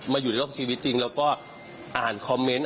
อยู่ในรอบชีวิตจริงแล้วก็อ่านคอมเมนต์